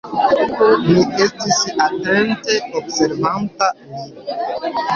Mi estis atente observanta lin.